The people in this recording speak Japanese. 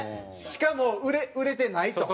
しかも売れてないと。